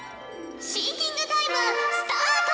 シンキングタイムスタート！